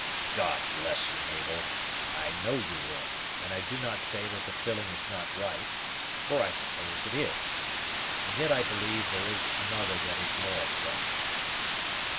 "God bless you, Mabel! I know you would, and I do not say that the feeling is not right, for I suppose it is; and yet I believe there is another that is more so."